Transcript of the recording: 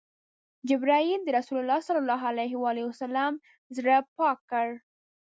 جبرئیل د رسول الله ﷺ زړه پاک کړ.